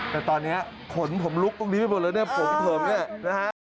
แต่ตอนนี้ผมลุกตรงนี้ไปหมดแล้วผมเผิมนี่นะครับ